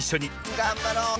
がんばろうね！